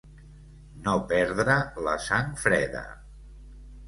No perdre la sang freda.